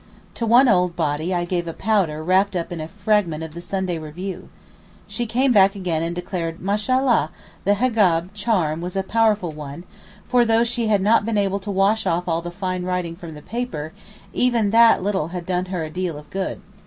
To one old body I gave a powder wrapped up in a fragment of a Saturday Review. She came again and declared Mashallah! the hegab (charm) was a powerful one, for though she had not been able to wash off all the fine writing from the paper, even that little had done her a deal of good.